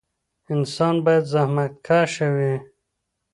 انسان باید زخمتکشه وي